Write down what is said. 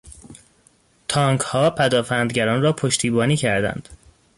تانکها پدآفندگران را پشتیبانی کردند.